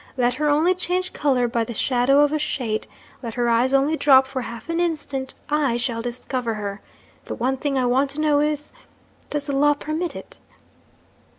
Let her only change colour by the shadow of a shade let her eyes only drop for half an instant I shall discover her! The one thing I want to know is, does the law permit it?'